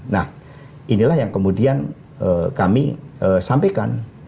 nah inilah yang kemudian kami sampaikan